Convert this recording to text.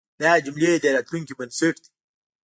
دا جملې د راتلونکي بنسټ دی.